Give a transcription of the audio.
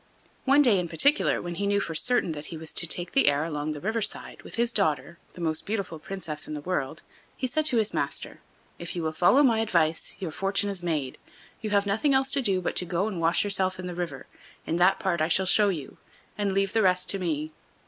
One day in particular, when he knew for certain that he was to take the air along the river side, with his daughter, the most beautiful princess in the world, he said to his master: "If you will follow my advice your fortune is made. You have nothing else to do but go and wash yourself in the river, in that part I shall show you, and leave the rest to me."